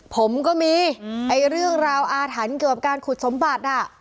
ผมก็มีเรื่องราวอาถรรพ์เกี่ยวกับการขุดสมบัติ